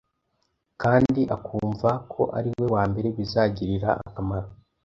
kandi akumva ko ari we wa mbere bizagirira akamaro.